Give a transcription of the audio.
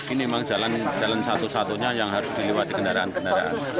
ini memang jalan satu satunya yang harus dilewati kendaraan kendaraan